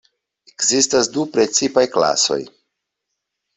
Ekzistas du precipaj klasoj.